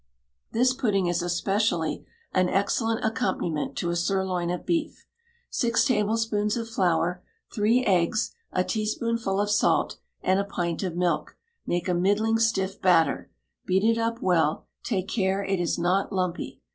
This pudding is especially an excellent accompaniment to a sirloin of beef. Six tablespoonfuls of flour, three eggs, a teaspoonful of salt, and a pint of milk, make a middling stiff batter; beat it up well; take care it is not lumpy.